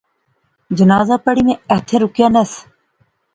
جنازہ پڑھی میں ایتھیں رکیا نہس